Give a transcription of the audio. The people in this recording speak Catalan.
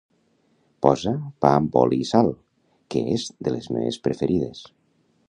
Posa "Pa amb oli i sal", que és de les meves preferides.